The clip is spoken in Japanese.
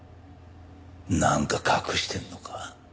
なんか隠してんのか。